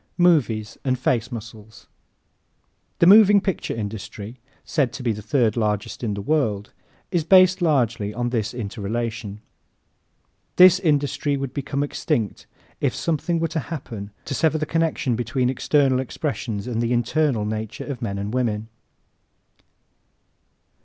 Movies and Face Muscles ¶ The moving picture industry said to be the third largest in the world is based largely on this interrelation. This industry would become extinct if something were to happen to sever the connection between external expressions and the internal nature of men and women.